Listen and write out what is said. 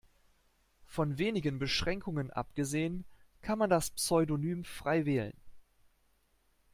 Von wenigen Beschränkungen abgesehen kann man das Pseudonym frei wählen.